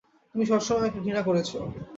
তুমি সবসময় আমাকে ঘৃণা করেছ।